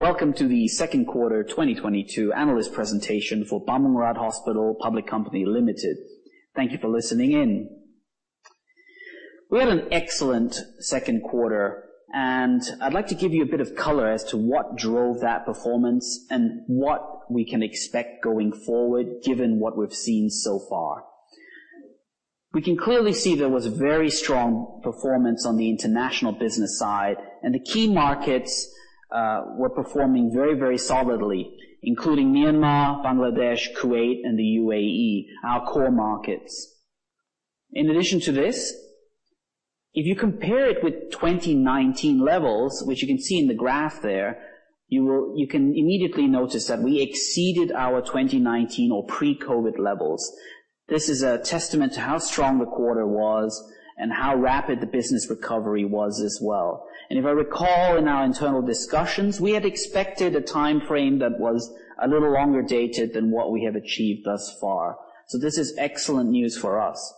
Welcome to the Second Quarter 2022 Analyst Presentation for Bumrungrad Hospital Public Company Limited. Thank you for listening in. We had an excellent second quarter, and I'd like to give you a bit of color as to what drove that performance and what we can expect going forward given what we've seen so far. We can clearly see there was very strong performance on the international business side, and the key markets were performing very, very solidly including Myanmar, Bangladesh, Kuwait, and the UAE, our core markets. In addition to this, if you compare it with 2019 levels, which you can see in the graph there, you can immediately notice that we exceeded our 2019 or pre-COVID levels. This is a testament to how strong the quarter was and how rapid the business recovery was as well. If I recall in our internal discussions, we had expected a timeframe that was a little longer dated than what we have achieved thus far. This is excellent news for us.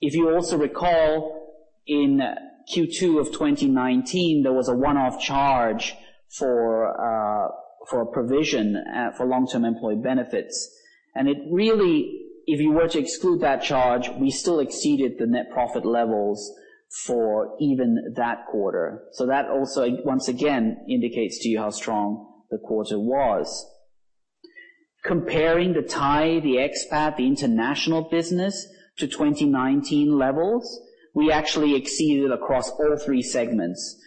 If you also recall, in Q2 of 2019, there was a one-off charge for provision for long-term employee benefits. It really, if you were to exclude that charge, we still exceeded the net profit levels for even that quarter. That also once again indicates to you how strong the quarter was. Comparing the Thai, the expat, the international business to 2019 levels, we actually exceeded across all three segments.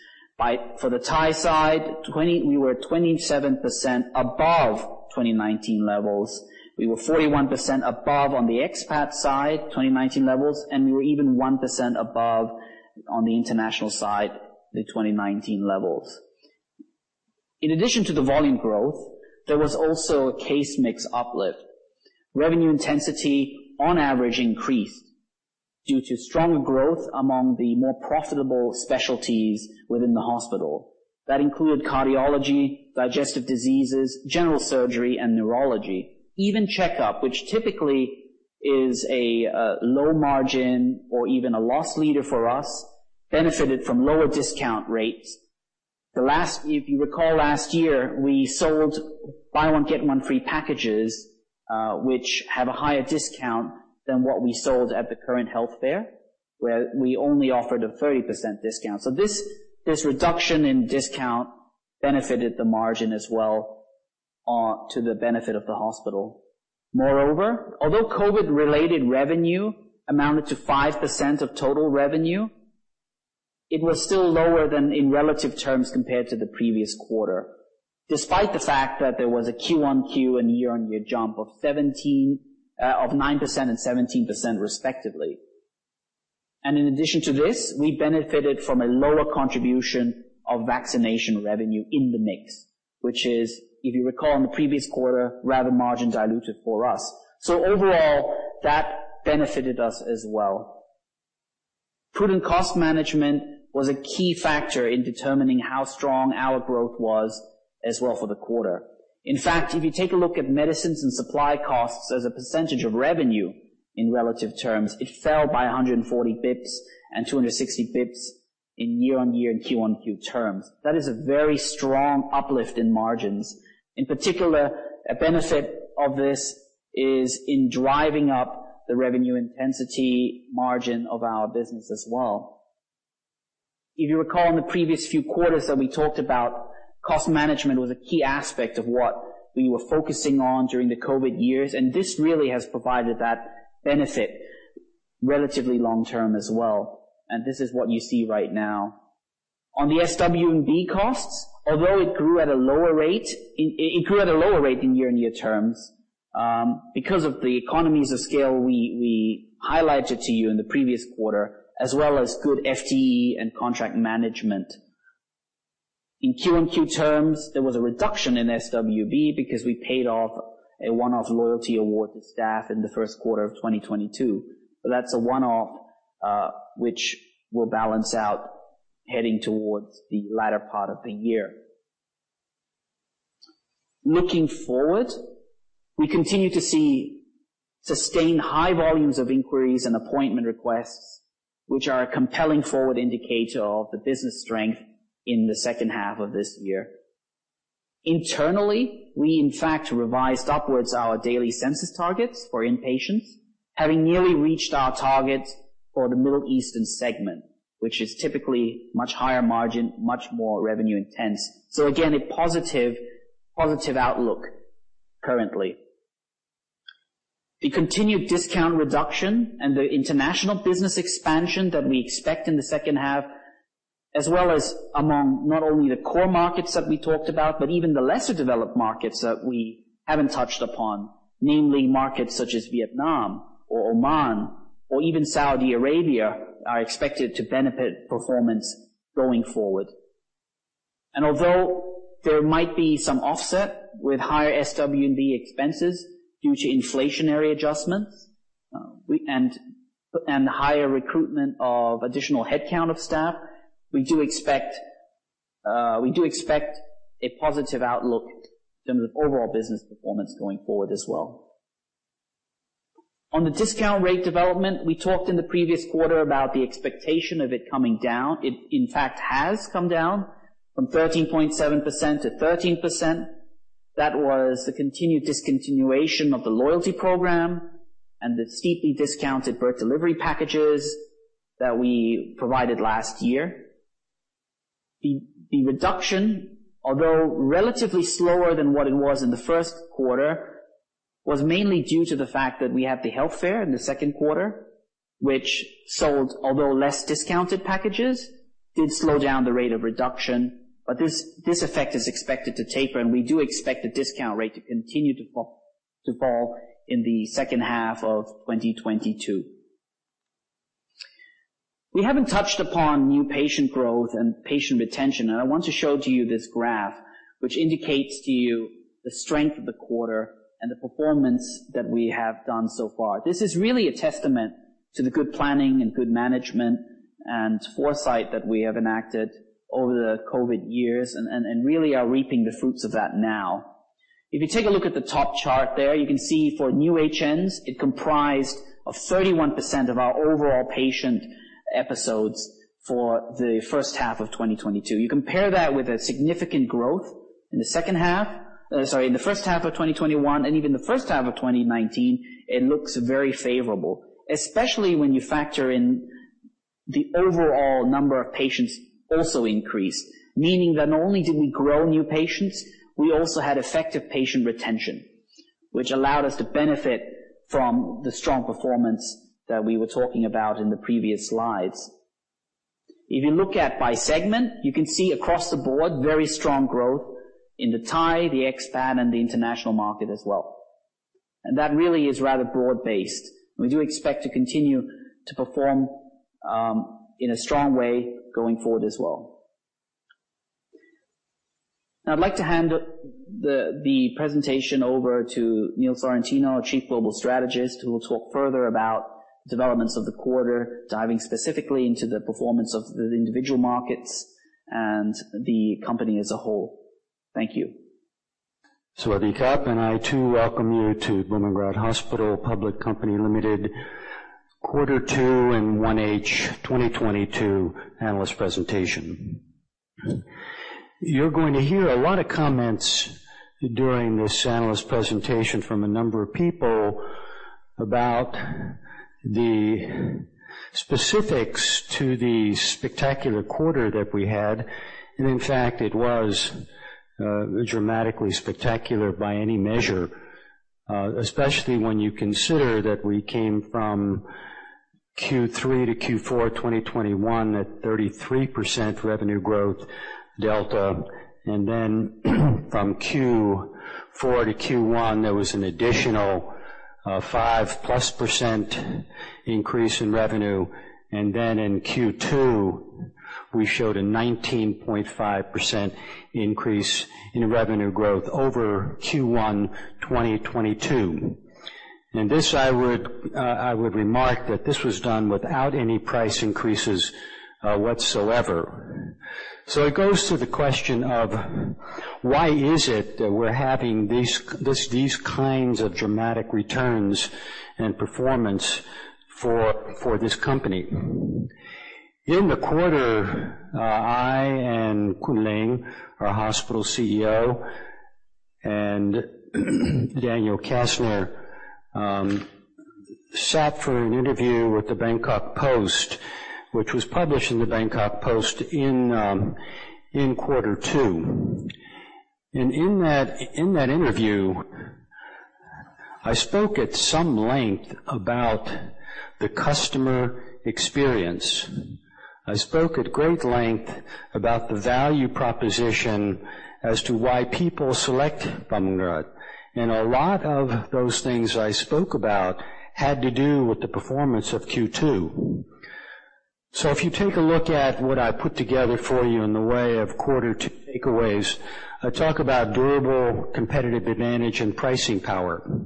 For the Thai side, we were 27% above 2019 levels. We were 41% above on the expat side, 2019 levels, and we were even 1% above on the international side, the 2019 levels. In addition to the volume growth, there was also a case mix uplift. Revenue intensity on average increased due to strong growth among the more profitable specialties within the hospital. That included cardiology, digestive diseases, general surgery, and neurology. Even checkup, which typically is a low margin or even a loss leader for us, benefited from lower discount rates. If you recall last year, we sold buy one get one free packages, which have a higher discount than what we sold at the current health fair, where we only offered a 30% discount. This reduction in discount benefited the margin as well to the benefit of the hospital. Moreover, although COVID-related revenue amounted to 5% of total revenue, it was still lower than in relative terms compared to the previous quarter, despite the fact that there was a QoQ and year-on-year jump of 9% and 17% respectively. In addition to this, we benefited from a lower contribution of vaccination revenue in the mix, which is, if you recall in the previous quarter, rather margin diluted for us. Overall, that benefited us as well. Prudent cost management was a key factor in determining how strong our growth was as well for the quarter. In fact, if you take a look at medicines and supply costs as a percentage of revenue in relative terms, it fell by 140 basis points and 260 basis points in year-on-year and QoQ terms. That is a very strong uplift in margins. In particular, a benefit of this is in driving up the revenue intensity margin of our business as well. If you recall in the previous few quarters that we talked about, cost management was a key aspect of what we were focusing on during the COVID years, and this really has provided that benefit relatively long term as well. This is what you see right now. On the S&WB costs, although it grew at a lower rate, it grew at a lower rate in year-on-year terms, because of the economies of scale we highlighted to you in the previous quarter, as well as good FTE and contract management. In QoQ terms, there was a reduction in S&WB because we paid off a one-off loyalty award to staff in the first quarter of 2022. That's a one-off, which will balance out heading towards the latter part of the year. Looking forward, we continue to see sustained high volumes of inquiries and appointment requests, which are a compelling forward indicator of the business strength in the second half of this year. Internally, we in fact revised upwards our daily census targets for inpatients, having nearly reached our target for the Middle Eastern segment, which is typically much higher margin, much more revenue intense. Again, a positive outlook currently. The continued discount reduction and the international business expansion that we expect in the second half, as well as among not only the core markets that we talked about, but even the lesser developed markets that we haven't touched upon, namely markets such as Vietnam or Oman or even Saudi Arabia, are expected to benefit performance going forward. Although there might be some offset with higher S&WB expenses due to inflationary adjustments, and higher recruitment of additional headcount of staff, we do expect a positive outlook in terms of overall business performance going forward as well. On the discount rate development, we talked in the previous quarter about the expectation of it coming down. It in fact has come down from 13.7% to 13%. That was the continued discontinuation of the loyalty program and the steeply discounted birth delivery packages that we provided last year. The reduction, although relatively slower than what it was in the first quarter, was mainly due to the fact that we had the health fair in the second quarter, which sold although less discounted packages, did slow down the rate of reduction. This effect is expected to taper, and we do expect the discount rate to continue to fall in the second half of 2022. We haven't touched upon new patient growth and patient retention, and I want to show to you this graph which indicates to you the strength of the quarter and the performance that we have done so far. This is really a testament to the good planning and good management and foresight that we have enacted over the COVID years and really are reaping the fruits of that now. If you take a look at the top chart there, you can see for new HN, it comprised of 31% of our overall patient episodes for the first half of 2022. You compare that with a significant growth in the second half. Sorry, in the first half of 2021 and even the first half of 2019, it looks very favorable, especially when you factor in the overall number of patients also increased. Meaning that not only did we grow new patients, we also had effective patient retention, which allowed us to benefit from the strong performance that we were talking about in the previous slides. If you look at by segment, you can see across the board very strong growth in the Thai, the ex-pat, and the international market as well, and that really is rather broad-based. We do expect to continue to perform in a strong way going forward as well. Now I'd like to hand the presentation over to Aniello Sorrentino, our Chief Global Strategist, who will talk further about developments of the quarter, diving specifically into the performance of the individual markets and the company as a whole. Thank you. Sawatdee krub! I too welcome you to Bumrungrad Hospital Public Company Limited, Q2 and 1H 2022 analyst presentation. You're going to hear a lot of comments during this analyst presentation from a number of people about the specifics to the spectacular quarter that we had, and in fact, it was dramatically spectacular by any measure, especially when you consider that we came from Q3-Q4 2021 at 33% revenue growth delta, and then from Q4 to Q1, there was an additional five plus percent increase in revenue, and then in Q2, we showed a 19.5% increase in revenue growth over Q1 2022. This I would remark that this was done without any price increases whatsoever. It goes to the question of why is it that we're having these kinds of dramatic returns and performance for this company. In the quarter, I and Artirat Charukitpipat, our hospital CEO, and Daniel Kastner sat for an interview with the Bangkok Post, which was published in the Bangkok Post in quarter two. In that interview, I spoke at some length about the customer experience. I spoke at great length about the value proposition as to why people select Bumrungrad. A lot of those things I spoke about had to do with the performance of Q2. If you take a look at what I put together for you in the way of quarter two takeaways, I talk about durable competitive advantage and pricing power.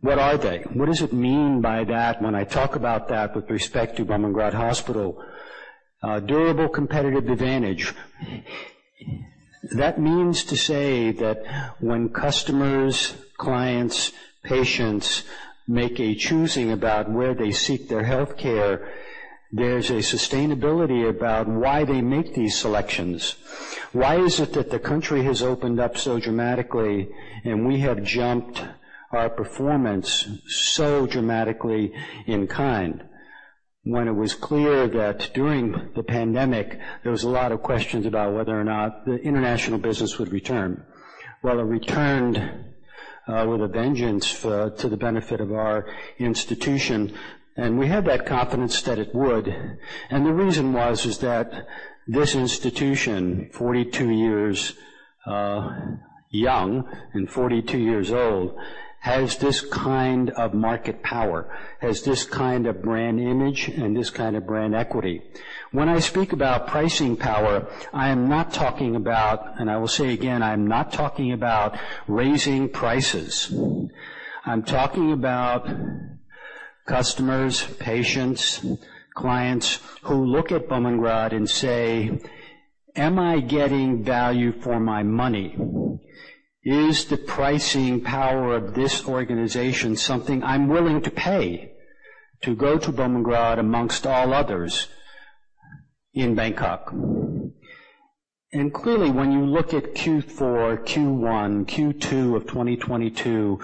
What are they? What does it mean by that when I talk about that with respect to Bumrungrad Hospital? Durable competitive advantage, that means to say that when customers, clients, patients make a choosing about where they seek their healthcare, there's a sustainability about why they make these selections. Why is it that the country has opened up so dramatically and we have jumped our performance so dramatically in kind when it was clear that during the pandemic, there was a lot of questions about whether or not the international business would return? Well, it returned with a vengeance to the benefit of our institution, and we had that confidence that it would. The reason was, is that this institution, 42 years young and 42 years old, has this kind of market power, has this kind of brand image and this kind of brand equity. When I speak about pricing power, I am not talking about, and I will say again, I'm not talking about raising prices. I'm talking about customers, patients, clients who look at Bumrungrad and say, "Am I getting value for my money? Is the pricing power of this organization something I'm willing to pay to go to Bumrungrad amongst all others in Bangkok?" Clearly, when you look at Q4, Q1, Q2 of 2022,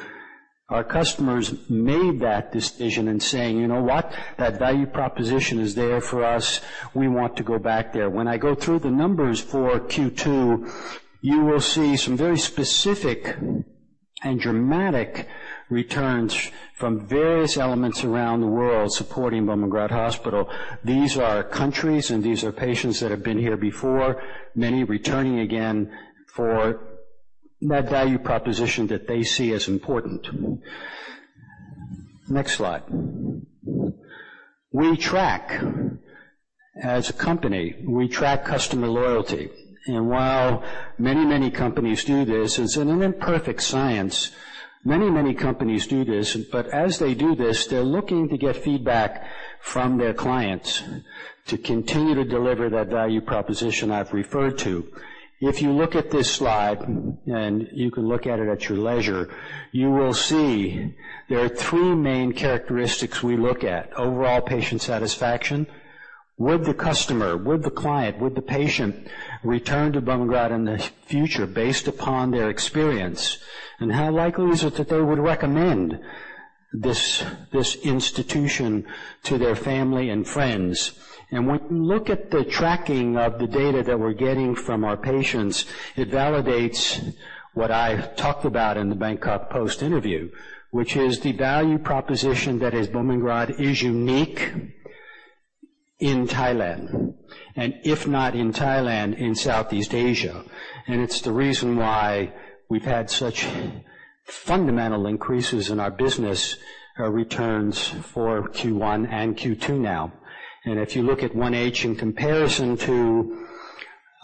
our customers made that decision in saying, "You know what? That value proposition is there for us. We want to go back there." When I go through the numbers for Q2, you will see some very specific and dramatic returns from various elements around the world supporting Bumrungrad Hospital. These are countries and these are patients that have been here before, many returning again for that value proposition that they see as important. Next slide. We track... As a company, we track customer loyalty. While many, many companies do this, it's an imperfect science. Many, many companies do this, but as they do this, they're looking to get feedback from their clients to continue to deliver that value proposition I've referred to. If you look at this slide, and you can look at it at your leisure, you will see there are three main characteristics we look at: overall patient satisfaction. Would the customer, would the client, would the patient return to Bumrungrad in the future based upon their experience? How likely is it that they would recommend this institution to their family and friends? When you look at the tracking of the data that we're getting from our patients, it validates what I talked about in The Bangkok Post interview, which is the value proposition that is Bumrungrad is unique in Thailand, and if not in Thailand, in Southeast Asia. It's the reason why we've had such fundamental increases in our business returns for Q1 and Q2 now. If you look at 1H in comparison to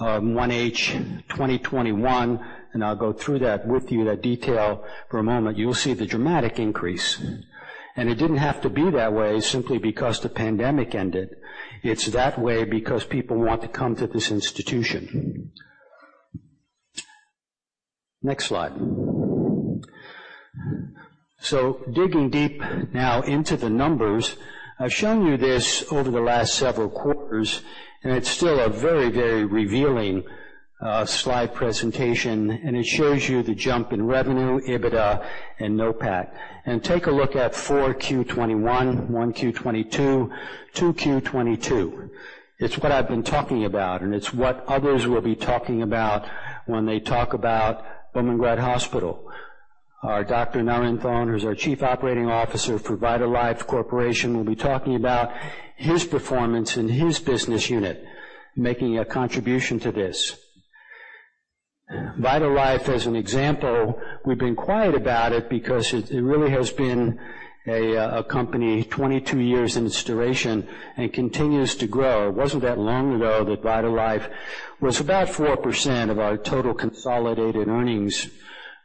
1H 2021, and I'll go through that with you, that detail for a moment, you'll see the dramatic increase. It didn't have to be that way simply because the pandemic ended. It's that way because people want to come to this institution. Next slide. Digging deep now into the numbers. I've shown you this over the last several quarters, and it's still a very, very revealing slide presentation, and it shows you the jump in revenue, EBITDA, and NOPAT. Take a look at 4Q 2021, 1Q 2022, 2Q 2022. It's what I've been talking about, and it's what others will be talking about when they talk about Bumrungrad Hospital. Our Dr. Narinthorn, who's our Chief Operating Officer for VitalLife Corporation, will be talking about his performance in his business unit, making a contribution to this. VitalLife, as an example, we've been quiet about it because it really has been a company 22 years in its duration and continues to grow. It wasn't that long ago that VitalLife was about 4% of our total consolidated earnings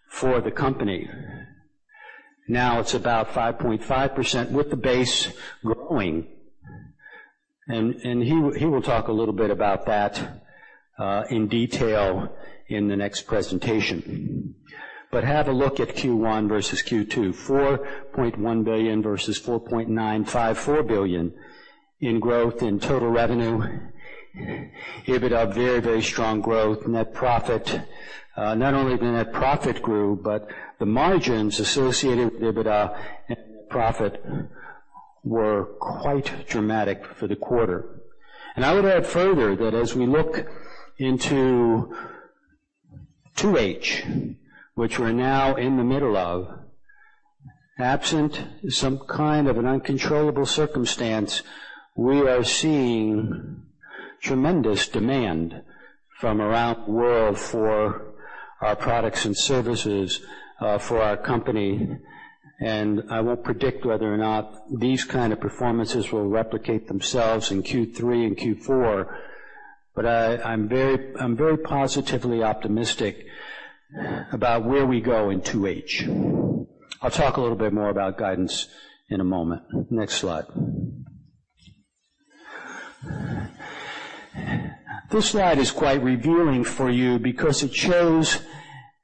for the company. Now it's about 5.5%, with the base growing. He will talk a little bit about that in detail in the next presentation. Have a look at Q1 versus Q2. 4.1 billion versus 4.954 billion in growth in total revenue. EBITDA, very, very strong growth. Net profit. Not only the net profit grew, but the margins associated with EBITDA and net profit were quite dramatic for the quarter. I would add further that as we look into 2H, which we're now in the middle of, absent some kind of an uncontrollable circumstance, we are seeing tremendous demand from around the world for our products and services, for our company. I won't predict whether or not these kind of performances will replicate themselves in Q3 and Q4, but I'm very positively optimistic about where we go in 2H. I'll talk a little bit more about guidance in a moment. Next slide. This slide is quite revealing for you because it shows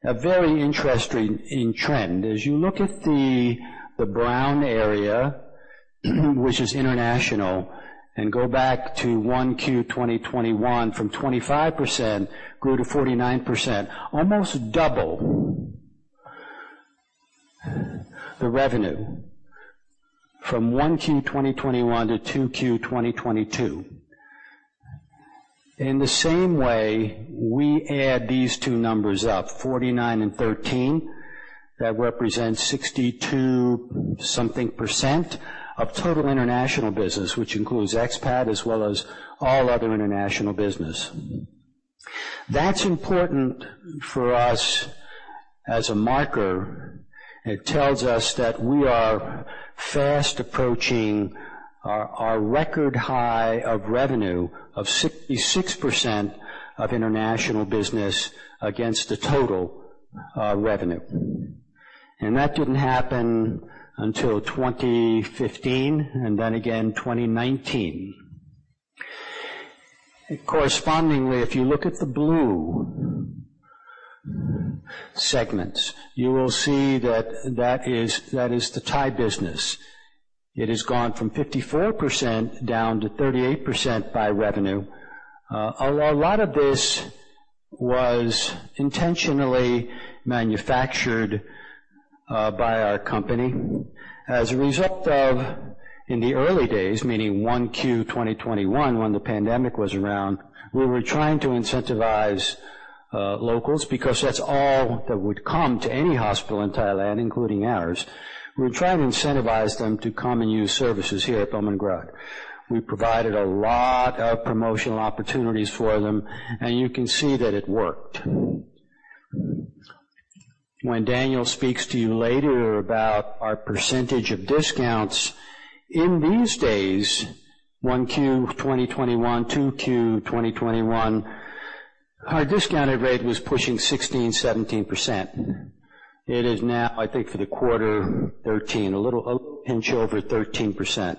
a very interesting trend. As you look at the brown area, which is international, and go back to 1Q 2021 from 25% grew to 49%, almost double the revenue from 1Q 2021 to 2Q 2022. In the same way, we add these two numbers up, 49 and 13. That represents 62% something of total international business, which includes expat as well as all other international business. That's important for us as a marker. It tells us that we are fast approaching our record high of revenue of 66% of international business against the total revenue. That didn't happen until 2015 and then again 2019. Correspondingly, if you look at the blue segments, you will see that is the Thai business. It has gone from 54% down to 38% by revenue. A lot of this was intentionally manufactured by our company as a result of in the early days, meaning 1Q 2021, when the pandemic was around, we were trying to incentivize locals because that's all that would come to any hospital in Thailand, including ours. We were trying to incentivize them to come and use services here at Bumrungrad. We provided a lot of promotional opportunities for them, and you can see that it worked. When Daniel speaks to you later about our percentage of discounts in these days, 1Q 2021, 2Q 2021, our discounted rate was pushing 16%-17%. It is now, I think for the quarter 13, a little pinch over 13%.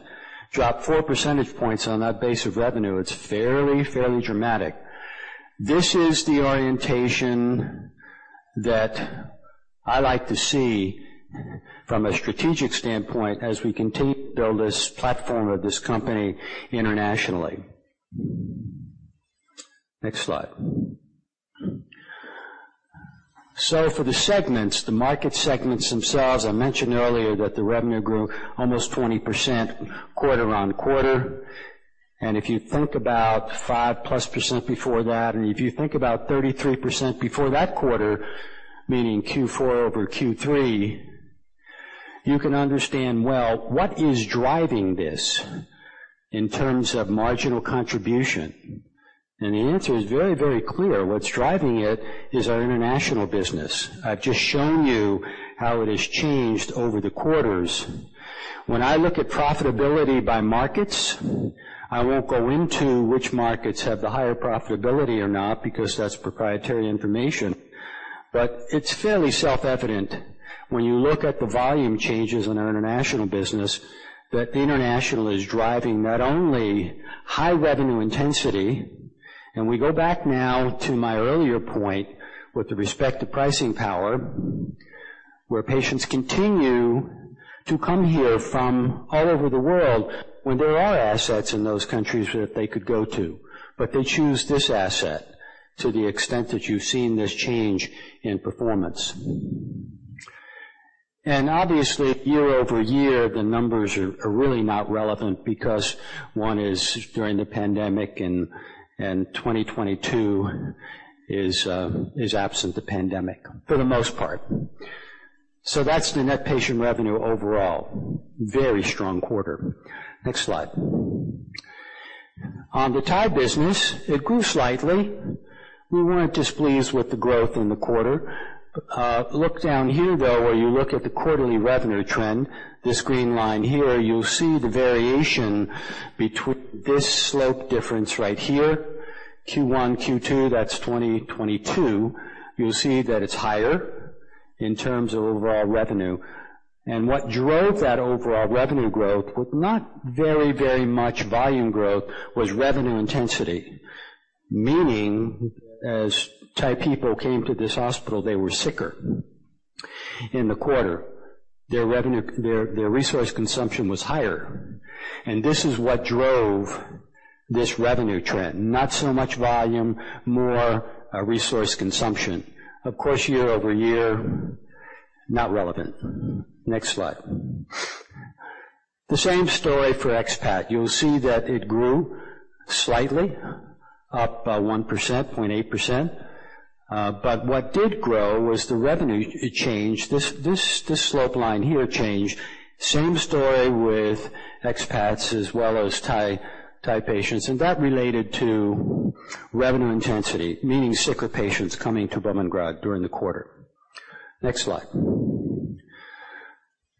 Dropped 4% points on that base of revenue. It's fairly dramatic. This is the orientation that I like to see from a strategic standpoint as we continue to build this platform of this company internationally. Next slide. For the segments, the market segments themselves, I mentioned earlier that the revenue grew almost 20% quarter-on-quarter. If you think about 5%+ before that if you think about 33% before that quarter, meaning Q4 over Q3, you can understand, well, what is driving this in terms of marginal contribution? The answer is very, very clear. What's driving it is our international business. I've just shown you how it has changed over the quarters. When I look at profitability by markets, I won't go into which markets have the higher profitability or not because that's proprietary information. It's fairly self-evident when you look at the volume changes in our international business, that international is driving not only high revenue intensity. We go back now to my earlier point with respect to pricing power, where patients continue to come here from all over the world when there are assets in those countries that they could go to. They choose this asset to the extent that you've seen this change in performance. Obviously, year-over-year, the numbers are really not relevant because one is during the pandemic and 2022 is absent the pandemic for the most part. That's the net patient revenue overall. Very strong quarter. Next slide. On the Thai business, it grew slightly. We weren't displeased with the growth in the quarter. Look down here, though, where you look at the quarterly revenue trend. This green line here, you'll see the variation this slope difference right here, Q1, Q2, that's 2022. You'll see that it's higher in terms of overall revenue. What drove that overall revenue growth with not very, very much volume growth was revenue intensity. Meaning, as Thai people came to this hospital, they were sicker in the quarter. Their resource consumption was higher. This is what drove this revenue trend. Not so much volume, more resource consumption. Of course, year-over-year, not relevant. Next slide. The same story for expat. You'll see that it grew slightly, up 1% to 0.8%. What did grow was the revenue change. This slope line here changed. Same story with expats as well as Thai patients, and that related to revenue intensity, meaning sicker patients coming to Bumrungrad during the quarter. Next slide.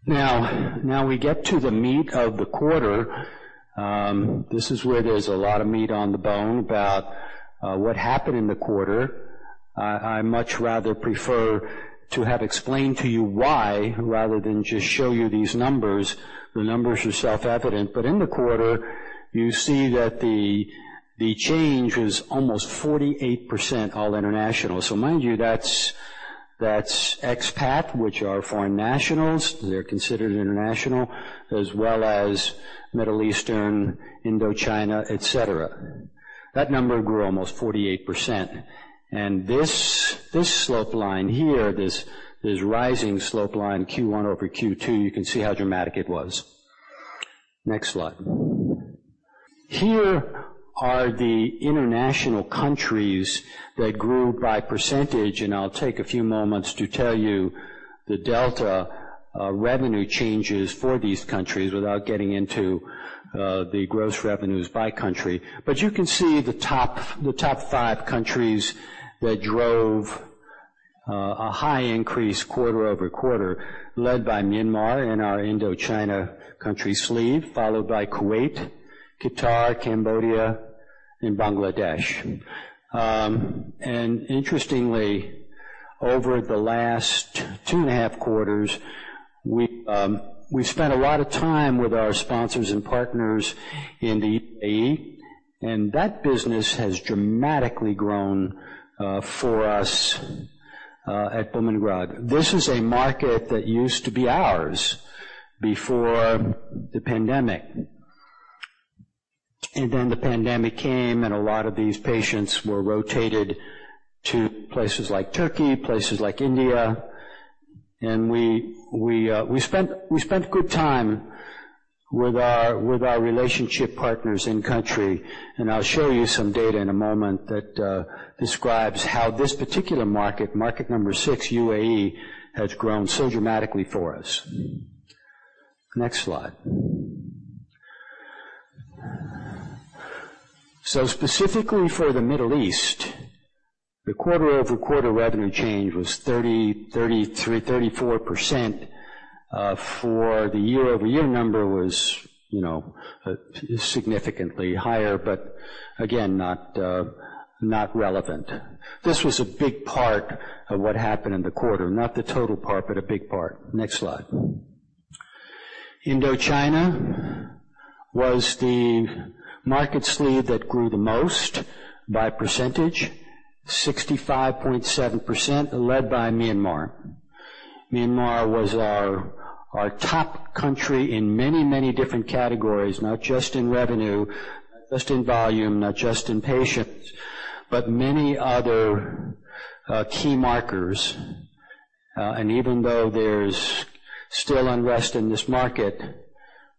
Now we get to the meat of the quarter. This is where there's a lot of meat on the bone about what happened in the quarter. I much rather prefer to have explained to you why rather than just show you these numbers. The numbers are self-evident. In the quarter, you see that the change was almost 48% all international. So mind you, that's expat, which are foreign nationals. They're considered international, as well as Middle Eastern, Indochina, etc. That number grew almost 48%. This slope line here, this rising slope line, Q1 over Q2, you can see how dramatic it was. Next slide. Here are the international countries that grew by percentage, and I'll take a few moments to tell you the delta, revenue changes for these countries without getting into, the gross revenues by country. You can see the top five countries that drove, a high increase quarter-over-quarter, led by Myanmar and our Indochina country sleeve, followed by Kuwait, Qatar, Cambodia, and Bangladesh. Interestingly, over the last two and a half quarters, we spent a lot of time with our sponsors and partners in the UAE, and that business has dramatically grown, for us at Bumrungrad. This is a market that used to be ours before the pandemic. Then the pandemic came, and a lot of these patients were rotated to places like Turkey, places like India. We spent good time with our relationship partners in country. I'll show you some data in a moment that describes how this particular market Number 6, UAE, has grown so dramatically for us. Next slide. Specifically for the Middle East, the quarter-over-quarter revenue change was 34%. For the year-over-year number was, you know, significantly higher, but again, not relevant. This was a big part of what happened in the quarter. Not the total part, but a big part. Next slide. Indochina was the market sleeve that grew the most by percentage, 65.7%, led by Myanmar. Myanmar was our top country in many different categories, not just in revenue, not just in volume, not just in patients, but many other key markers. Even though there's still unrest in this market,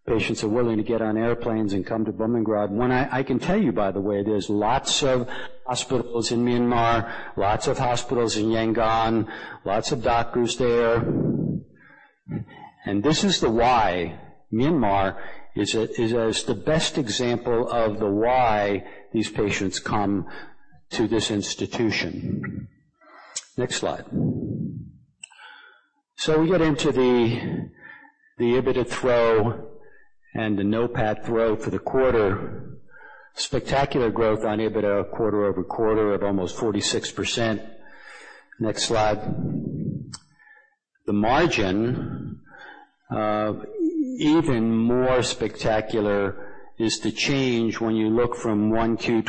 patients are willing to get on airplanes and come to Bumrungrad. I can tell you, by the way, there's lots of hospitals in Myanmar, lots of hospitals in Yangon, lots of doctors there. This is why Myanmar is the best example of why these patients come to this institution. Next slide. We get into the EBITDA flow and the NOPAT flow for the quarter. Spectacular growth on EBITDA quarter-over-quarter of almost 46%. Next slide. The margin, even more spectacular is the change when you look from 1Q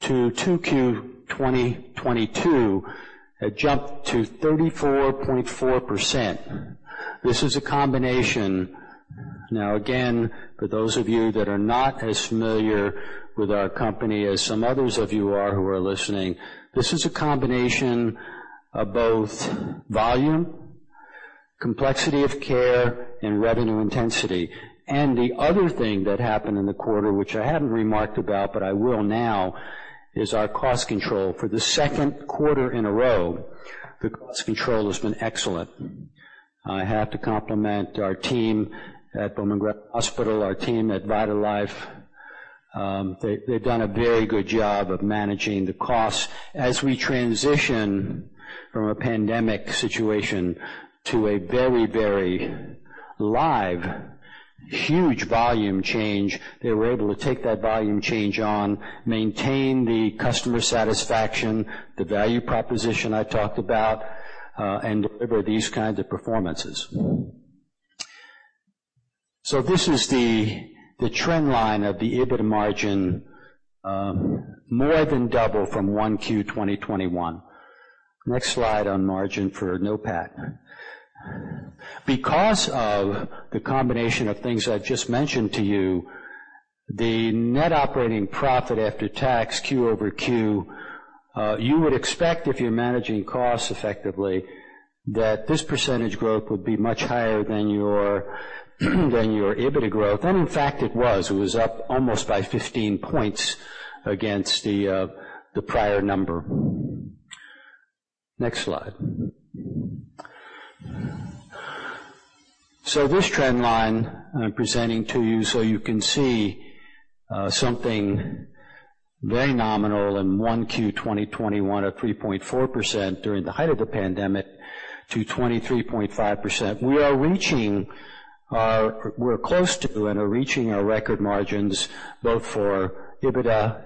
2021-2Q 2022. It jumped to 34.4%. This is a combination... Now, again, for those of you that are not as familiar with our company as some others of you are who are listening, this is a combination of both volume, complexity of care, and revenue intensity. The other thing that happened in the quarter, which I haven't remarked about, but I will now, is our cost control. For the second quarter in a row, the cost control has been excellent. I have to compliment our team at Bumrungrad Hospital, our team at VitalLife. They've done a very good job of managing the costs. As we transition from a pandemic situation to a very, very live, huge volume change, they were able to take that volume change on, maintain the customer satisfaction, the value proposition I talked about, and deliver these kinds of performances. This is the trend line of the EBITDA margin, more than double from 1Q 2021. Next slide on margin for NOPAT. Because of the combination of things I just mentioned to you, the net operating profit after tax QoQ, you would expect if you're managing costs effectively, that this percentage growth would be much higher than your EBITDA growth. In fact, it was. It was up almost by 15 points against the prior number. Next slide. This trend line I'm presenting to you so you can see, something very nominal in 1Q 2021 or 3.4% during the height of the pandemic to 23.5%. We're close to and are reaching our record margins both for EBITDA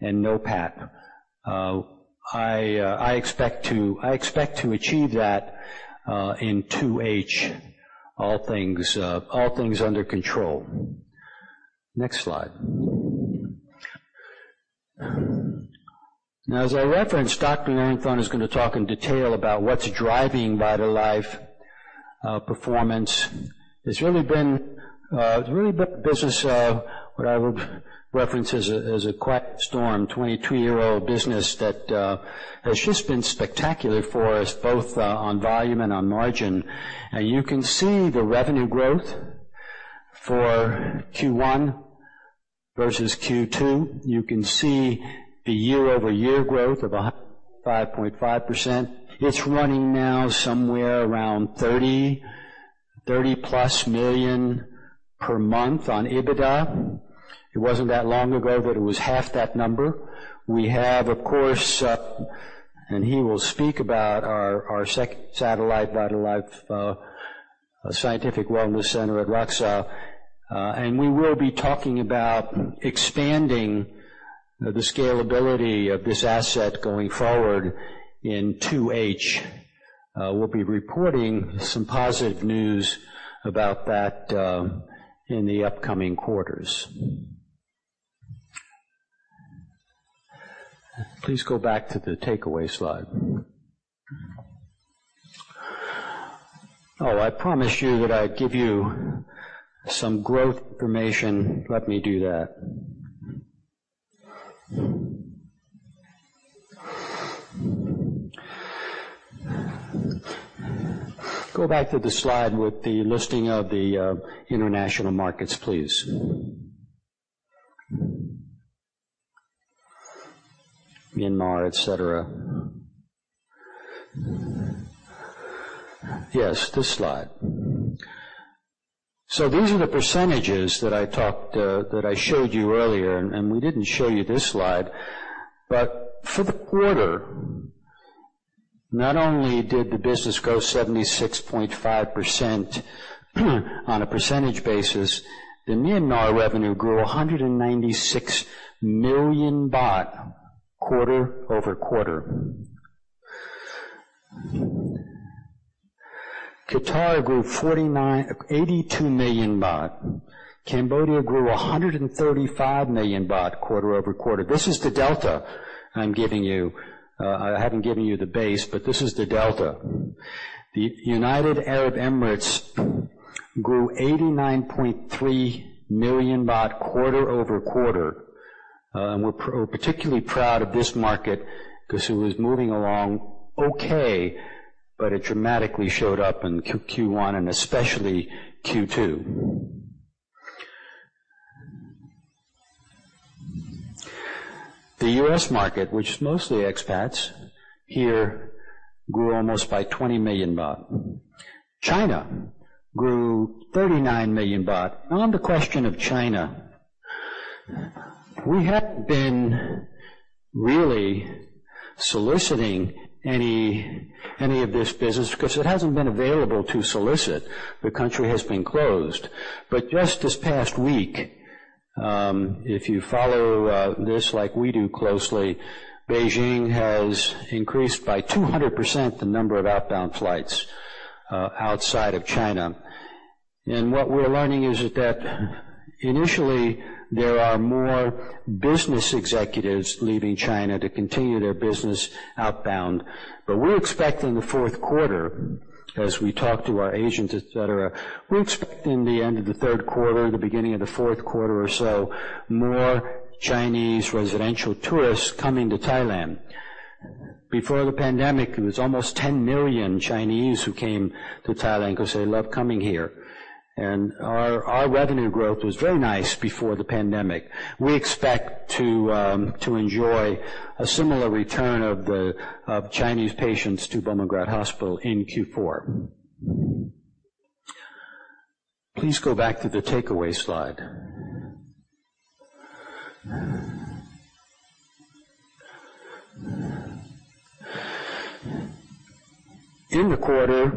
and NOPAT. I expect to achieve that in 2H, all things under control. Next slide. Now, as I referenced, Dr. Narinthorn is gonna talk in detail about what's driving VitalLife performance. It's really been the business of what I would reference as a quiet storm. 22-year-old business that has just been spectacular for us, both on volume and on margin. You can see the revenue growth for Q1 versus Q2. You can see the year-over-year growth of 105.5%. It's running now somewhere around 30 million-30 million plus per month on EBITDA. It wasn't that long ago that it was half that number. We have, of course, and he will speak about our satellite VitalLife, a Scientific Wellness Center at RAKxa. We will be talking about expanding the scalability of this asset going forward in 2H. We'll be reporting some positive news about that in the upcoming quarters. Please go back to the takeaway slide. Oh, I promised you that I'd give you some growth information. Let me do that. Go back to the slide with the listing of the international markets, please. Myanmar, etc. Yes, this slide. So these are the percentages that I talked that I showed you earlier, and we didn't show you this slide. But for the quarter, not only did the business grow 76.5% on a percentage basis, the Myanmar revenue grew 196 million quarter-over-quarter. Qatar grew 82 million baht. Cambodia grew 135 million baht quarter-over-quarter. This is the delta I'm giving you. I haven't given you the base, but this is the delta. The United Arab Emirates grew 89.3 million baht quarter-over-quarter. We're particularly proud of this market 'cause it was moving along okay, but it dramatically showed up in Q1 and especially Q2. The US market, which is mostly expats here, grew almost by 20 million baht. China grew 39 million baht. On the question of China, we haven't been really soliciting any of this business because it hasn't been available to solicit. The country has been closed. Just this past week, if you follow this like we do closely, Beijing has increased by 200% the number of outbound flights outside of China. What we're learning is that initially there are more business executives leaving China to continue their business outbound. We're expecting the fourth quarter as we talk to our agents, et cetera. We're expecting the end of the third quarter, the beginning of the fourth quarter or so, more Chinese residential tourists coming to Thailand. Before the pandemic, it was almost 10 million Chinese who came to Thailand 'cause they love coming here. Our revenue growth was very nice before the pandemic. We expect to enjoy a similar return of Chinese patients to Bumrungrad Hospital in Q4. Please go back to the takeaway slide. In the quarter,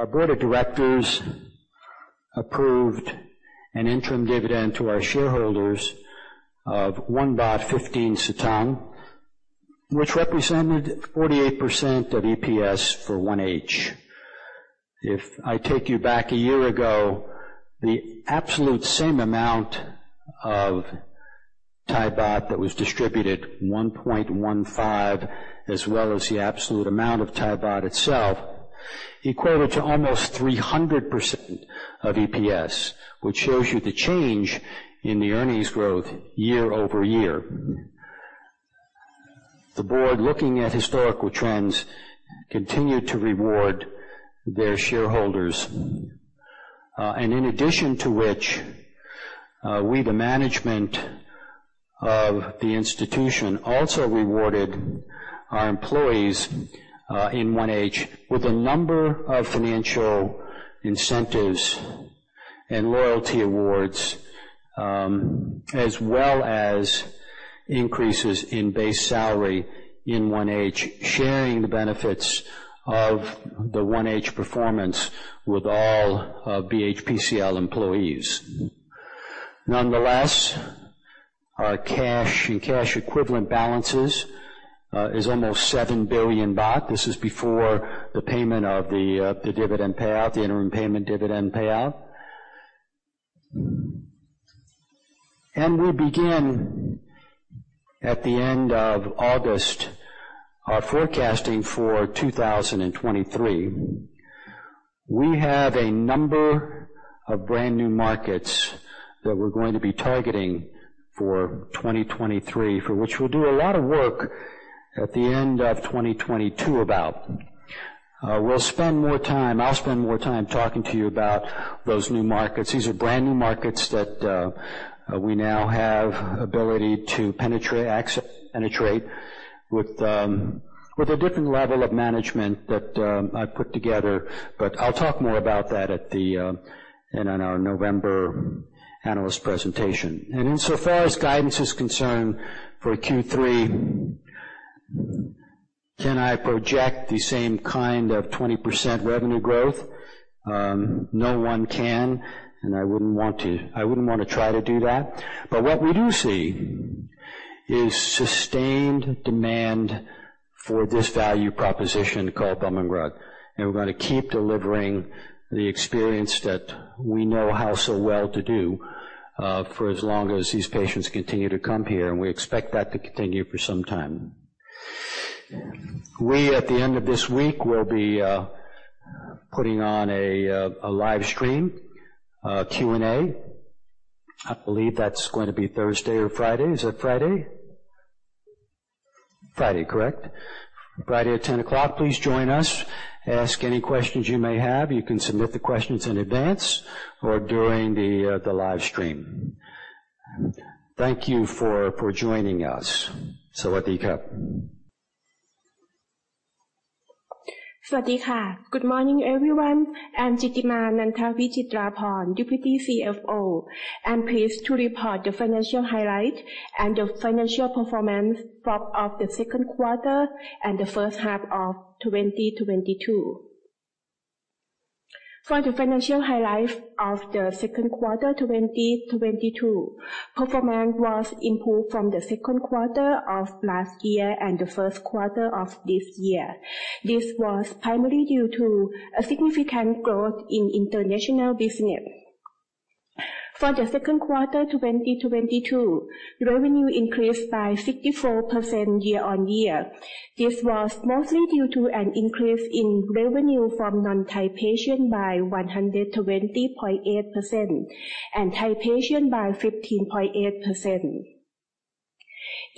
our Board of Directors approved an interim dividend to our shareholders of 1.15, which represented 48% of EPS for 1H. If I take you back a year ago, the absolute same amount of Thai baht that was distributed, 1.15, as well as the absolute amount of Thai baht itself, equated to almost 300% of EPS, which shows you the change in the earnings growth year-over-year. The board, looking at historical trends, continued to reward their shareholders. In addition to which, we, the management of the institution, also rewarded our employees in 1H with a number of financial incentives and loyalty awards, as well as increases in base salary in 1H, sharing the benefits of the 1H performance with all BH PCL employees. Nonetheless, our cash and cash equivalent balances is almost 7 billion baht. This is before the payment of the interim dividend payout. We begin, at the end of August, our forecasting for 2023. We have a number of brand-new markets that we're going to be targeting for 2023, for which we'll do a lot of work at the end of 2022 about. We'll spend more time. I'll spend more time talking to you about those new markets. These are brandnew markets that we now have ability to penetrate with a different level of management that I've put together. I'll talk more about that in our November analyst presentation. Insofar as guidance is concerned for Q3. Can I project the same kind of 20% revenue growth? No one can, and I wouldn't want to. I wouldn't wanna try to do that. What we do see is sustained demand for this value proposition called Bumrungrad. We're gonna keep delivering the experience that we know how so well to do, for as long as these patients continue to come here. We expect that to continue for some time. We at the end of this week will be putting on a live stream Q&A. I believe that's going to be Thursday or Friday. Is it Friday? Friday, correct. Friday at 10:00 A.M., please join us. Ask any questions you may have. You can submit the questions in advance or during the live stream. Thank you for joining us. Good morning, everyone. I'm Jittima Nuntavichithaporn, Deputy CFO. I'm pleased to report the financial highlight and the financial performance of the second quarter and the first half of 2022. For the financial highlight of the second quarter 2022, performance was improved from the second quarter of last year and the first quarter of this year. This was primarily due to a significant growth in international business. For the second quarter 2022, revenue increased by 64% year-on-year. This was mostly due to an increase in revenue from non-Thai patient by 120.8%, and Thai patient by 15.8%.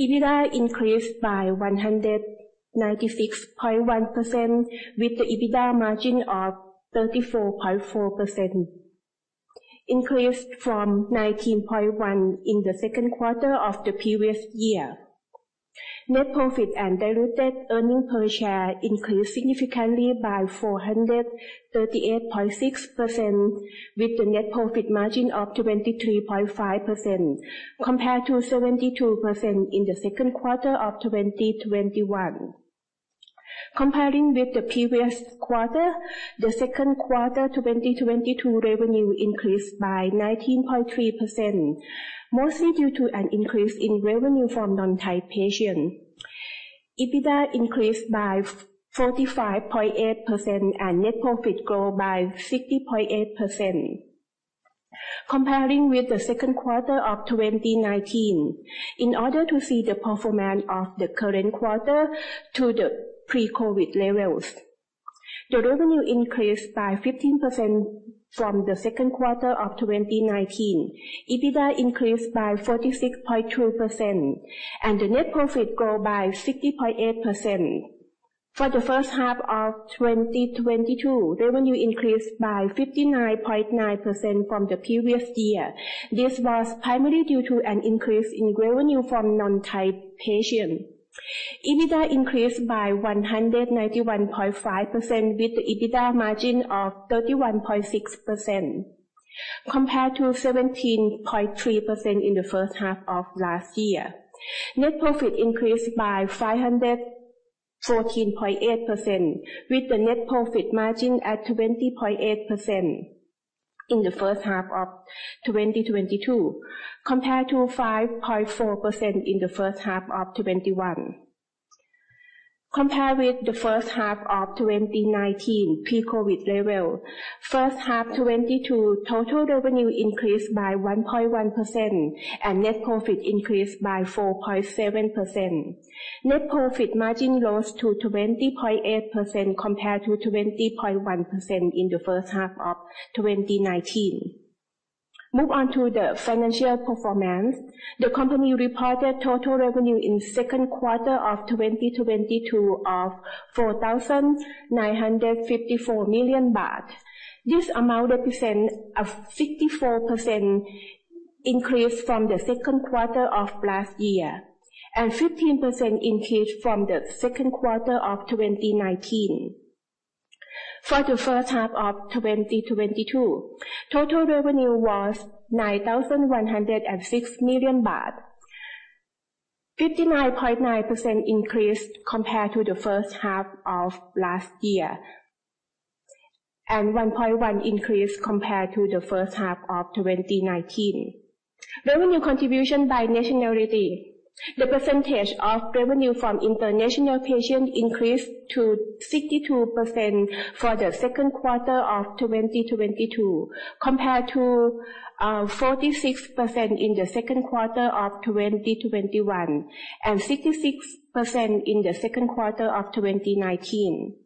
EBITDA increased by 196.1% with the EBITDA margin of 34.4%, increased from 19.1% in the second quarter of the previous year. Net profit and diluted earnings per share increased significantly by 438.6% with the net profit margin of 23.5%, compared to 72% in the second quarter of 2021. Comparing with the previous quarter, the second quarter 2022 revenue increased by 19.3%, mostly due to an increase in revenue from non-Thai patient. EBITDA increased by 45.8% and net profit grow by 60.8%. Comparing with the second quarter of 2019, in order to see the performance of the current quarter to the pre-COVID levels. The revenue increased by 15% from the second quarter of 2019. EBITDA increased by 46.2%, and the net profit grow by 60.8%. For the first half of 2022, revenue increased by 59.9% from the previous year. This was primarily due to an increase in revenue from non-Thai patients. EBITDA increased by 191.5% with the EBITDA margin of 31.6%, compared to 17.3% in the first half of last year. Net profit increased by 514.8% with the net profit margin at 20.8% in the first half of 2022, compared to 5.4% in the first half of 2021. Compare with the first half of 2019 pre-COVID level. First half 2022 total revenue increased by 1.1% and net profit increased by 4.7%. Net profit margin rose to 20.8% compared to 20.1% in the first half of 2019. Move on to the financial performance. The company reported total revenue in second quarter of 2022 of 4,954 million baht. This amount represent a 54% increase from the second quarter of last year, and 15% increase from the second quarter of 2019. For the first half of 2022, total revenue was THB 9,106 million. 59.9% increase compared to the first half of last year, and 1.1% increase compared to the first half of 2019. Revenue contribution by nationality. The percentage of revenue from international patient increased to 62% for the second quarter of 2022, compared to forty-six percent in the second quarter of 2021, and 66% in the second quarter of 2019.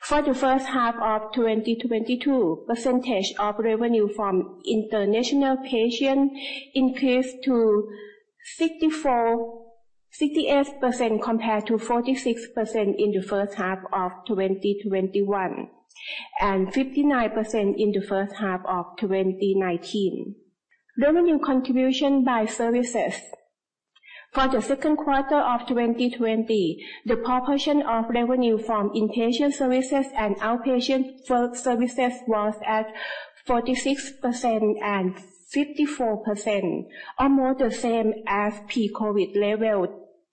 For the first half of 2022, percentage of revenue from international patient increased to 68% compared to 46% in the first half of 2021, and 59% in the first half of 2019. Revenue contribution by services. For the second quarter of 2020, the proportion of revenue from inpatient services and outpatient services was at 46% and 54%, almost the same as pre-COVID uncertain levels.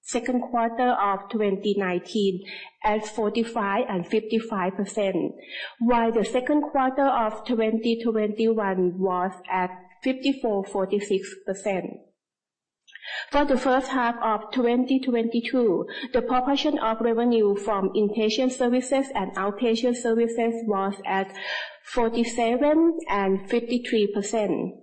Second quarter of 2019 was 45% and 55%, while the second quarter of 2021 was at 54%, 46%. For the first half of 2022, the proportion of revenue from inpatient services and outpatient services was at 46% and 54%.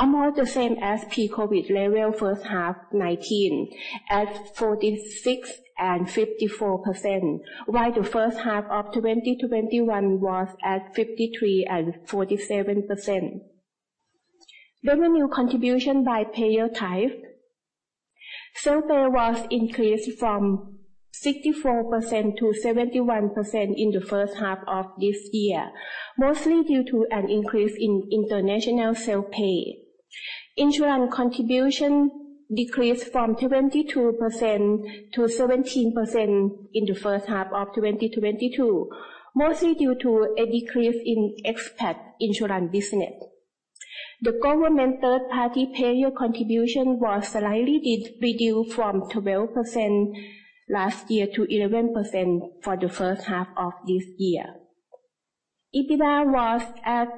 Almost the same as pre-COVID level, first half 2019 at 46% and 54%, while the first half of 2021 was at 53% and 47%. Revenue contribution by payer type. Self-pay increased from 64%- 71% in the first half of this year, mostly due to an increase in international self-pay. Insurance contribution decreased from 22% to 17% in the first half of 2022, mostly due to a decrease in expat insurance business. The government third-party payer contribution was slightly reduced from 12% last year to 11% for the first half of this year. EBITDA was at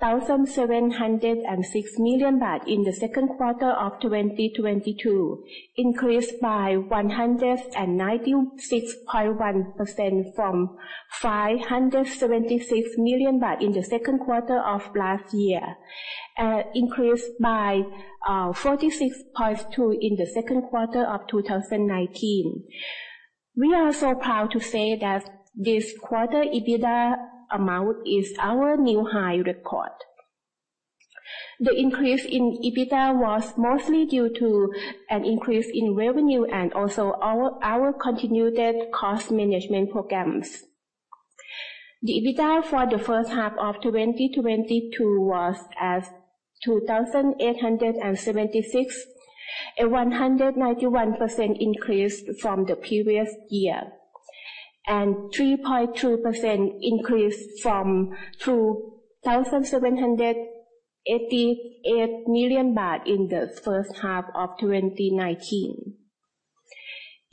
1,706 million baht in the second quarter of 2022, increased by 196.1% from 576 million baht in the second quarter of last year, and increased by 46.2% in the second quarter of 2019. We are so proud to say that this quarter EBITDA amount is our new high record. The increase in EBITDA was mostly due to an increase in revenue and also our continued cost management programs. The EBITDA for the first half of 2022 was at 2,876 million, a 191% increase from the previous year, and 3.2% increase from 2,788 million baht in the first half of 2019.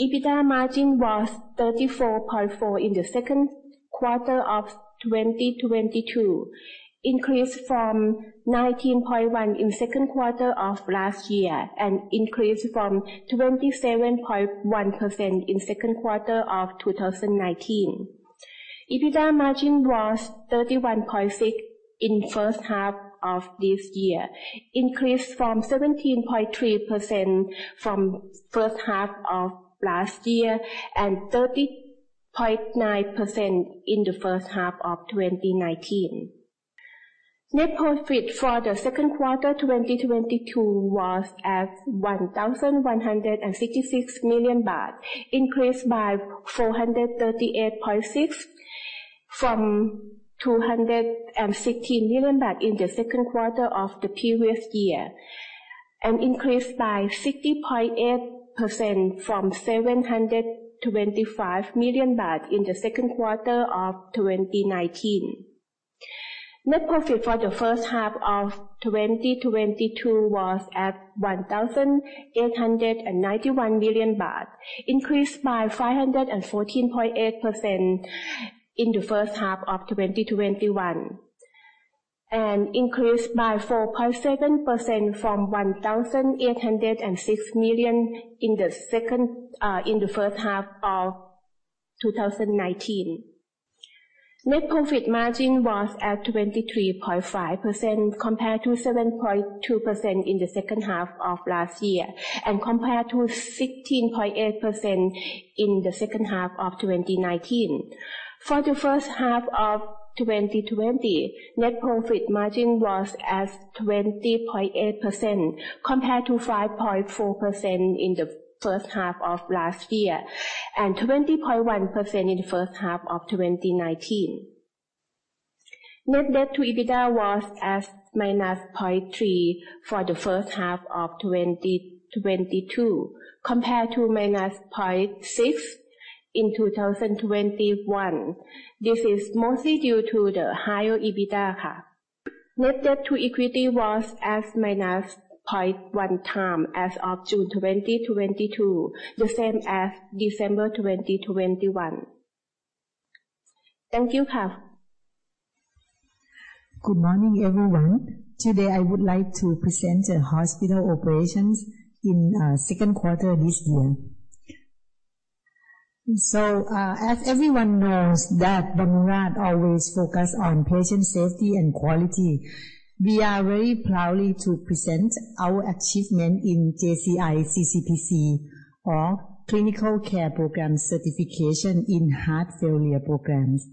EBITDA margin was 34.4% in the second quarter of 2022, increased from 19.1% in second quarter of last year, and increased from 27.1% in second quarter of 2019. EBITDA margin was 31.6% in first half of this year, increased from 17.3% from first half of last year and 30.9% in the first half of 2019. Net profit for the second quarter 2022 was at 1,166 million baht, increased by 438.6 million from 216 million baht in the second quarter of the previous year, and increased by 60.8% from 725 million baht in the second quarter of 2019. Net profit for the first half of 2022 was at 1,891 million baht, increased by 514.8% in the first half of 2021, and increased by 4.7% from 1,806 million in the first half of 2019. Net profit margin was at 23.5% compared to 7.2% in the second half of last year, and compared to 16.8% in the second half of 2019. For the first half of 2020, net profit margin was at 20.8% compared to 5.4% in the first half of last year, and 20.1% in the first half of 2019. Net debt to EBITDA was at -0.3 for the first half of 2022 compared to -0.6 in 2021. This is mostly due to the higher EBITDA. Net debt to equity was at -0.1 times as of June 2022, the same as December 2021. Thank you, Kap. Good morning, everyone. Today, I would like to present the hospital operations in second quarter this year. As everyone knows that Bumrungrad always focus on patient safety and quality, we are very proudly to present our achievement in JCI CCPC, or Clinical Care Program Certification in Heart Failure Programs.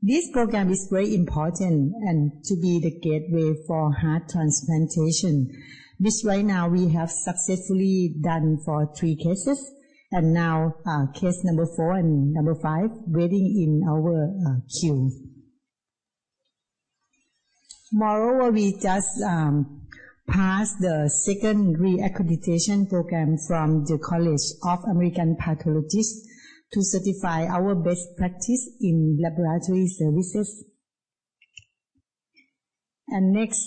This program is very important and to be the gateway for heart transplantation, which right now we have successfully done for three cases, and now, case Number 4 and Number 5 waiting in our, queue. Moreover, we just passed the second re-accreditation program from the College of American Pathologists to certify our best practice in laboratory services. Next,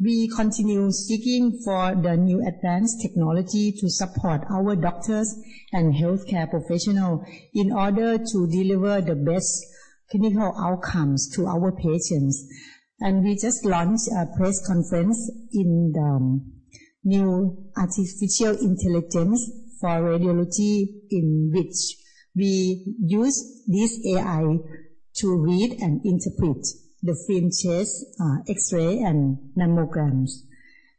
we continue seeking for the new advanced technology to support our Doctors and Healthcare professional in order to deliver the best clinical outcomes to our patients. We just launched a press conference in the new artificial intelligence for Radiology, in which we use this AI to read and interpret the chest film, X-ray and Mammograms.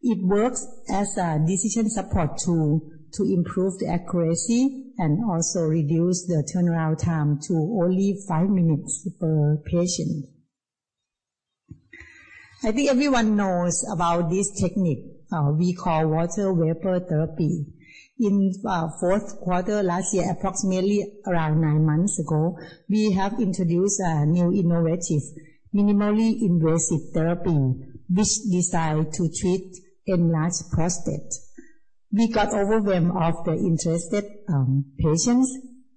It works as a decision support tool to improve the accuracy and also reduce the turnaround time to only five minutes per patient. I think everyone knows about this technique we call water vapor therapy. In fourth quarter last year, approximately around nine months ago, we have introduced a new innovative minimally invasive therapy which is designed to treat enlarged prostate. We got overwhelmed with interest from patients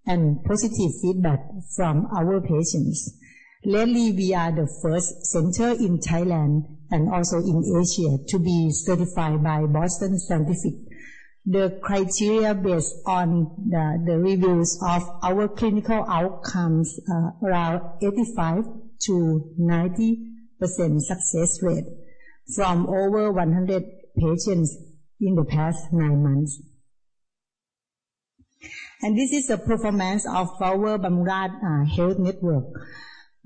and positive feedback from our patients. Lately, we are the first center in Thailand and also in Asia to be certified by Boston Scientific. The criteria based on the reviews of our clinical outcomes are around 85%-90% success rate from over 100 patients in the past nine months. This is the performance of our Bumrungrad Health Network.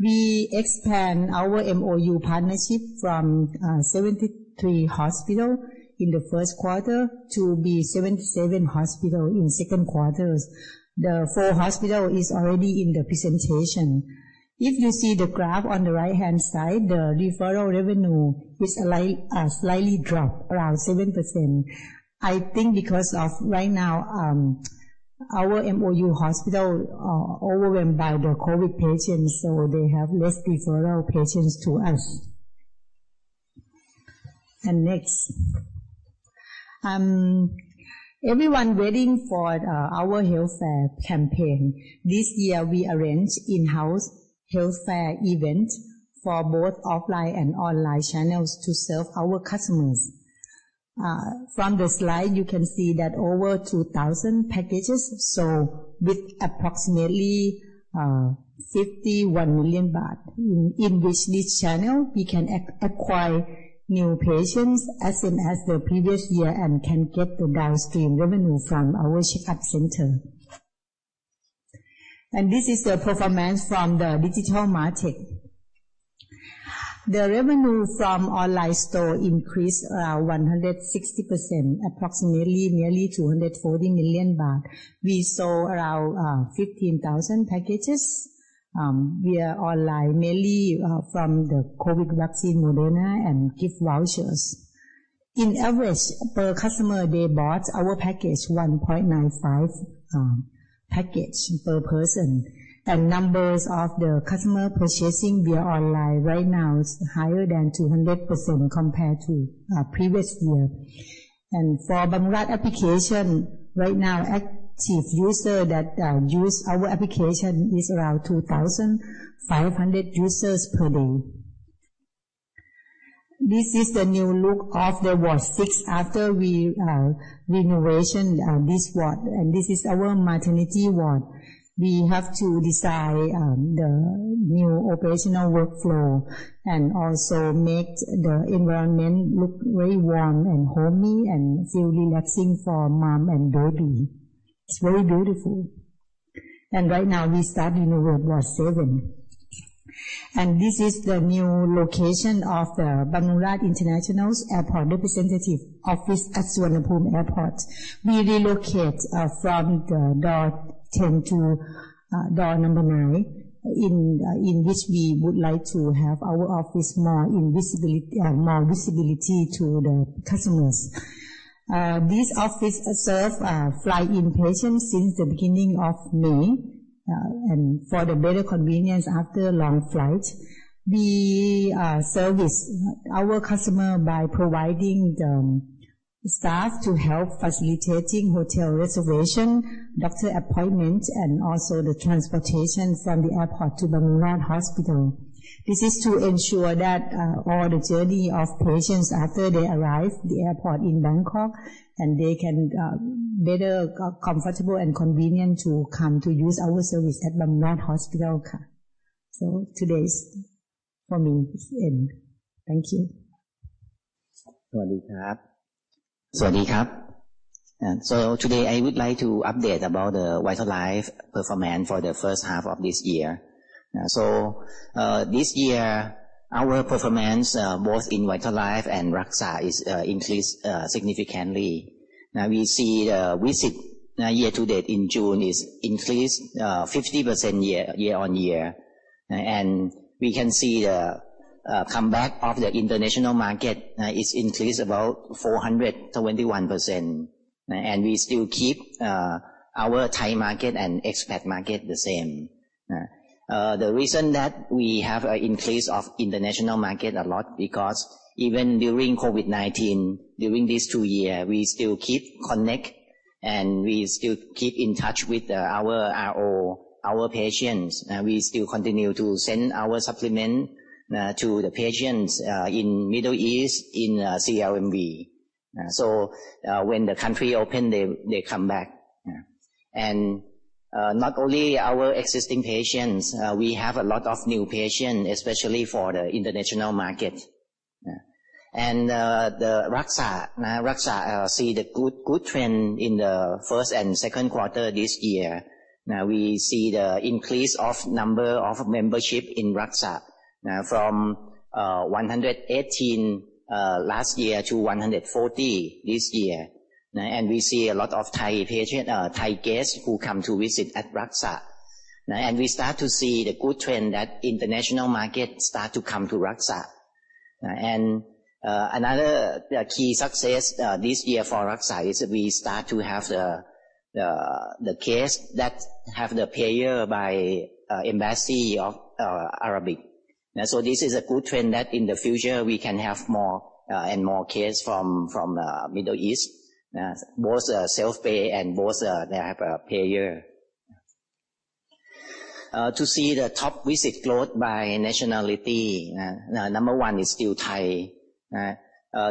We expand our MOU partnership from 73 hospitals in the first quarter to be 77 hospitals in second quarter. The four hospitals are already in the presentation. If you see the graph on the right-hand side, the referral revenue is slightly dropped around 7%. I think because of right now our MOU hospitals are overwhelmed by the COVID patients, so they have less referral patients to us. Next. Everyone waiting for our health fair campaign. This year we arranged in-house health fair event for both offline and online channels to serve our customers. From the slide you can see that over 2,000 packages sold with approximately 51 million baht. In which this channel we can acquire new patients as same as the previous year and can get the downstream revenue from our checkup center. This is the performance from the digital market. The revenue from online store increased around 160%, approximately nearly 240 million baht. We sold around 15,000 packages via online, mainly from the COVID vaccine Moderna and gift vouchers. In average, per customer, they bought our package 1.95 package per person. Numbers of the customer purchasing via online right now is higher than 200% compared to previous year. For Bumrungrad application, right now active user that use our application is around 2,500 users per day. This is the new look of Ward Six after we renovation this ward. This is our maternity ward. We have to design the new operational workflow and also make the environment look very warm and homey and feel relaxing for mom and baby. It's very beautiful. Right now we start renovate Ward Seven. This is the new location of the Bumrungrad Airport Representative office at Suvarnabhumi Airport. We relocate from door 10 to door 9. In which we would like to have our office more visibility to the customers. This office serve fly-in patients since the beginning of May. For the better convenience after long flight, we service our customer by providing the staff to help facilitating hotel reservation, doctor appointment and also the transportation from the airport to Bumrungrad Hospital. This is to ensure that all the journey of patients after they arrive the airport in Bangkok, and they can better comfortable and convenient to come to use our service at Bumrungrad Hospital. Today is for me end. Thank you. Today I would like to update about the VitalLife performance for the first half of this year. This year our performance both in VitalLife and RAKxa is increased significantly. Now we see the visit year-to-date in June is increased 50% year-on-year. We can see the comeback of the international market is increased about 421%. We still keep our Thai market and expat market the same. The reason that we have an increase of international market a lot because even during COVID-19, during these two year, we still keep in touch with our RO, our patients. We still continue to send our supplement to the patients in Middle East, in CLMV. When the country open, they come back. Not only our existing patients, we have a lot of new patient, especially for the international market. The RAKxa see the good trend in the first and second quarter this year. We see the increase of number of membership in RAKxa from 118 last year to 140 this year. We see a lot of Thai patient, Thai guests who come to visit at RAKxa. We start to see the good trend that international market start to come to RAKxa. Another key success this year for RAKxa is we start to have the case that have paid by embassy of Arabic. This is a good trend that in the future we can have more and more cases from Middle East. Both self-pay and they have a payer. To see the top visit growth by nationality. Number 1 is still Thai.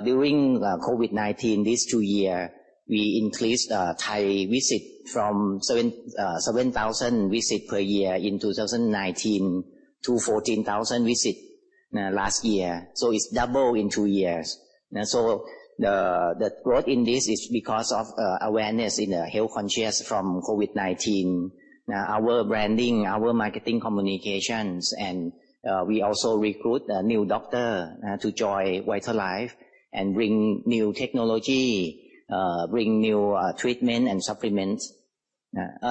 During COVID-19 this two years, we increase Thai visits from 7,000 visits per year in 2019 to 14,000 visits last year. It's double in two years. The growth in this is because of awareness in the health consciousness from COVID-19. Our branding, our marketing communications, and we also recruit a new doctor to join VitalLife and bring new technology, bring new treatment and supplements.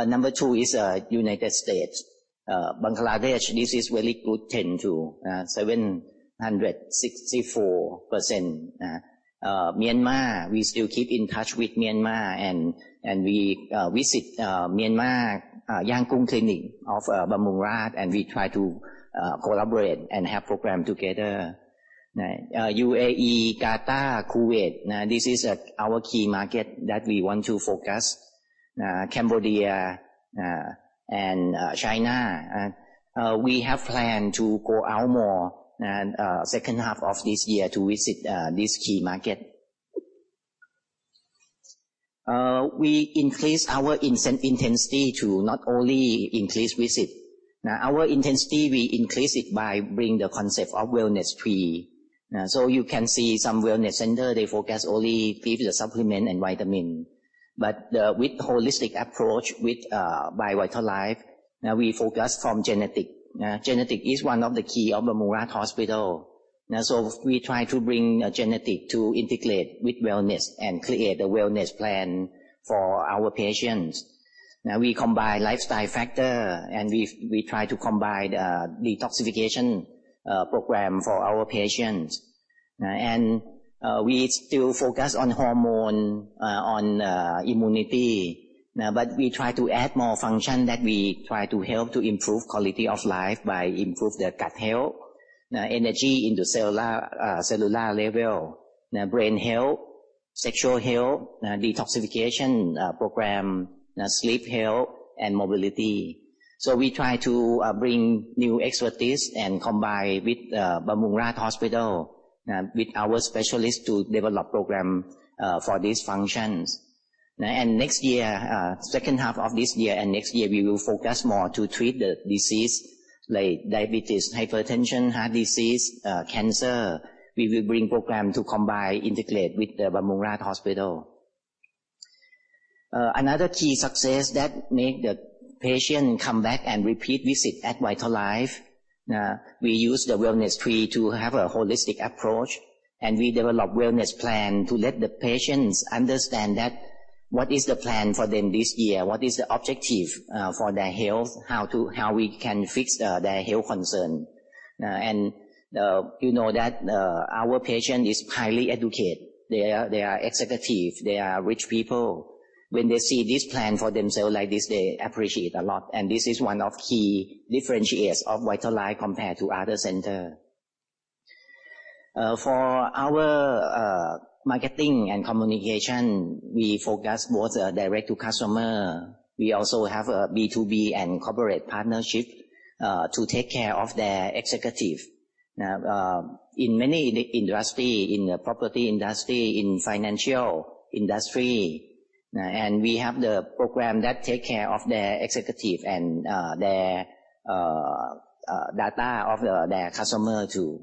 Number 2 is United States. Bangladesh, this is very good trend too. 764%. Myanmar, we still keep in touch with Myanmar and we visit Myanmar Yangon clinic of Bumrungrad, and we try to collaborate and have program together. UAE, Qatar, Kuwait, this is our key market that we want to focus. Cambodia and China. We have plan to go out more and second half of this year to visit this key market. We increase our intensity to not only increase visit. Our intensity, we increase it by bring the concept of wellness tree. You can see some wellness center, they focus only give the supplement and vitamin. With holistic approach with by VitalLife, we focus from genetic. Genetic is one of the key of Bumrungrad Hospital. We try to bring genetic to integrate with wellness and create a wellness plan for our patients. We combine lifestyle factor, and we try to combine detoxification program for our patients. We still focus on hormone on immunity. We try to add more function that we try to help to improve quality of life by improve the gut health, energy in the cellular level, brain health, sexual health, detoxification program, sleep health and mobility. We try to bring new expertise and combine with Bumrungrad Hospital with our specialist to develop program for these functions. Next year, second half of this year and next year, we will focus more to treat the disease like diabetes, hypertension, heart disease, cancer. We will bring program to combine, integrate with the Bumrungrad Hospital. Another key success that make the patient come back and repeat visit at VitalLife. We use the wellness tree to have a holistic approach, and we develop wellness plan to let the patients understand that what is the plan for them this year, what is the objective, for their health, how we can fix their health concern. You know that our patient is highly educated. They are, they are executive, they are rich people. When they see this plan for themselves like this, they appreciate a lot, and this is one of key differentiators of VitalLife compared to other center. For our marketing and communication, we focus both direct to customer. We also have a B2B and corporate partnership to take care of their executive. In many industries, in the property industry, in the financial industry. We have the program that takes care of their executives and their data of their customers too.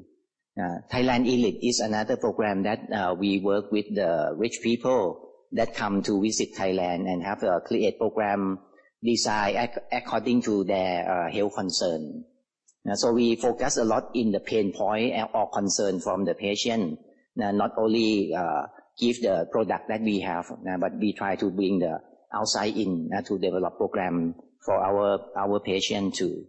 Thailand Elite is another program that we work with the rich people that come to visit Thailand and have created program designed according to their health concern. We focus a lot in the pain point or concern from the patient. Not only give the product that we have, but we try to bring the outside in to develop program for our patient too.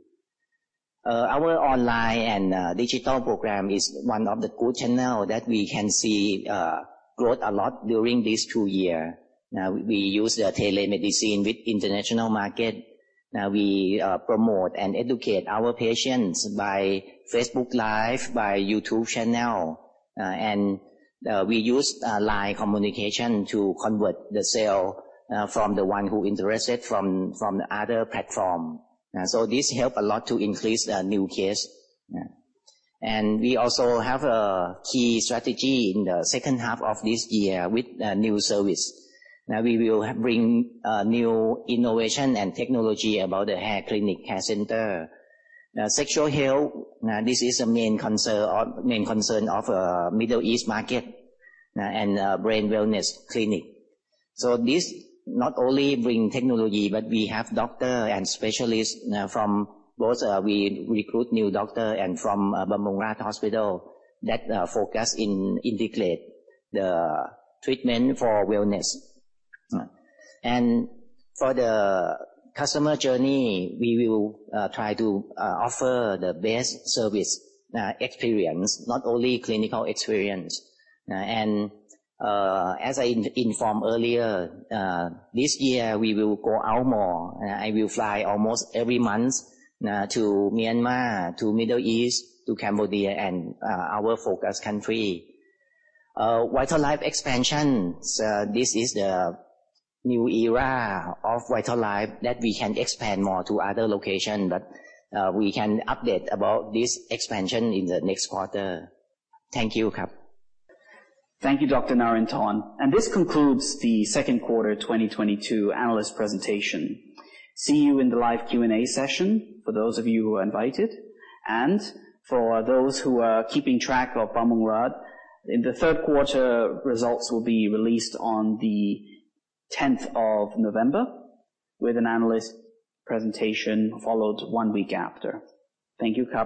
Our online and digital program is one of the good channel that we can see growth a lot during this two year. We use the telemedicine with international market. Now we promote and educate our patients by Facebook Live, by YouTube channel, and we use line communication to convert the sale from the one who interested from the other platform. This help a lot to increase the new case. We also have a key strategy in the second half of this year with a new service. Now we will bring new innovation and technology about the hair clinic, hair center. Sexual health, this is a main concern of Middle East market, and brain wellness clinic. This not only bring technology, but we have doctor and specialists from both, we recruit new doctor and from Bumrungrad Hospital that focus in integrate the treatment for wellness. For the customer journey, we will try to offer the best service experience, not only clinical experience. As I informed earlier, this year we will go out more. I will fly almost every month to Myanmar, to Middle East, to Cambodia and our focus country. VitalLife expansion. This is the new era of VitalLife that we can expand more to other location but we can update about this expansion in the next quarter. Thank you, Kap. Thank you, Dr. Narinthorn. This concludes the second quarter 2022 analyst presentation. See you in the live Q&A session for those of you who are invited. For those who are keeping track of Bumrungrad, the third quarter results will be released on the tenth of November with an analyst presentation followed one week after. Thank you, Kap.